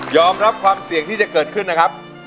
รับความเสี่ยงที่จะเกิดขึ้นนะครับ